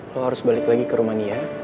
lo harus balik lagi ke rumania